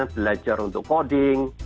belajar untuk coding